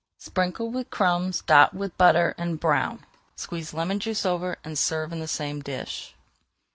Sprinkle with crumbs, dot with butter, and brown. Squeeze lemon juice over and serve in the same dish.